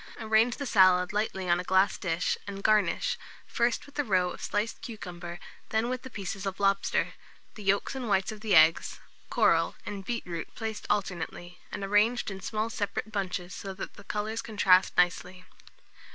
Arrange the salad lightly on a glass dish, and garnish, first with a row of sliced cucumber, then with the pieces of lobster, the yolks and whites of the eggs, coral, and beetroot placed alternately, and arranged in small separate bunches, so that the colours contrast nicely.